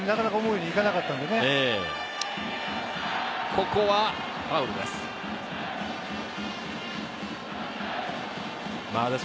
ここはファウルボールです。